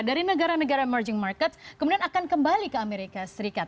dari negara negara emerging market kemudian akan kembali ke amerika serikat